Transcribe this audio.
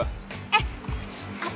eh apaan sih